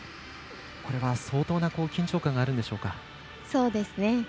これは相当な緊張感があるんでしょうか。